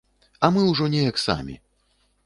А мы ўжо неяк самі.